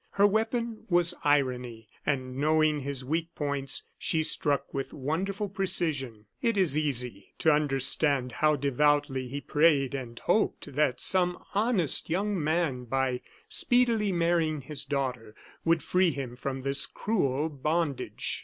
Her weapon was irony; and knowing his weak points, she struck with wonderful precision. It is easy to understand how devoutly he prayed and hoped that some honest young man, by speedily marrying his daughter, would free him from this cruel bondage.